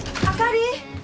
あかり。